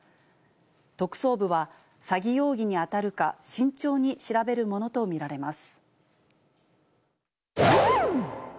特捜部は詐欺容疑に当たるか慎重に調べるものと見られます。